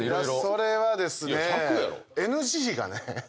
それはですね。